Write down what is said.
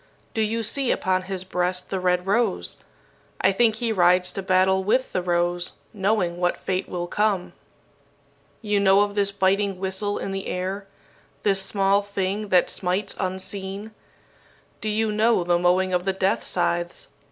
Do you see upon his breast the red rose? I think he rides to battle with the rose, knowing what fate will come. "You know of this biting whistle in the air this small thing that smites unseen? Do you know the mowing of the death scythes?